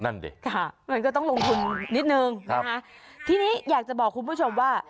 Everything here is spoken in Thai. ดิค่ะมันก็ต้องลงทุนนิดนึงนะคะทีนี้อยากจะบอกคุณผู้ชมว่า